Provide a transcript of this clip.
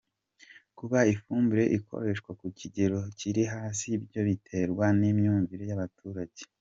kuba ifumbire ikoreshwa ku kigero kiri hasi byo biterwa n’imyumvire y’abaturage.